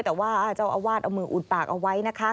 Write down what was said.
แต่ว่าเจ้าอาวาสเอามืออุดปากเอาไว้นะคะ